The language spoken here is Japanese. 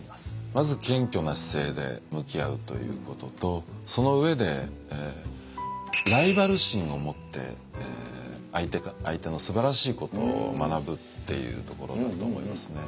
まず謙虚な姿勢で向き合うということとその上でライバル心をもって相手のすばらしいことを学ぶっていうところだと思いますね。